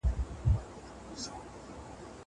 زه سیر نه کوم!!